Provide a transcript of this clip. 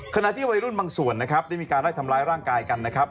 ขณะที่วัยรุ่นบางส่วนนะครับได้มีการไล่ทำร้ายร่างกายกันนะครับ